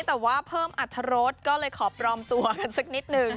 แต่ว่าเพิ่มอัตรรสก็เลยขอปลอมตัวกันสักนิดนึง